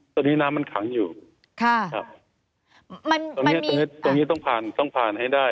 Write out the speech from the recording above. ตอนนี้น้ำมันขังอยู่ตรงนี้ต้องผ่านให้ได้